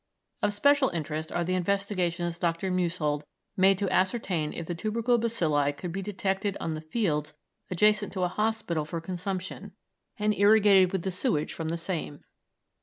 Of special interest are the investigations Dr. Musehold made to ascertain if tubercle bacilli could be detected on the fields attached to a hospital for consumption and irrigated with the sewage from the same.